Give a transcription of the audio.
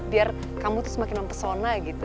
biar kamu tuh semakin mempesona gitu